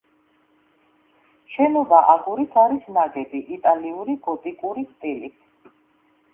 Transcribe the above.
შენობა აგურით არის ნაგები, იტალიური გოტიკური სტილით.